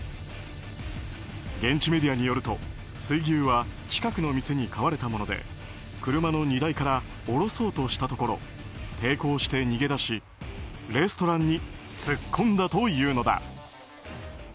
現地メディアによると水牛は近くの店に買われたもので車の荷台から下ろそうとしたところ抵抗して逃げ出しレストランに突っ込んだというのだ。